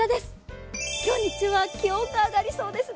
今日、日中は気温が上がりそうですね。